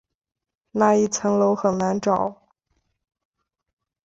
那一层楼很难找